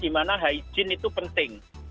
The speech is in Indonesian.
dimana hygiene itu penting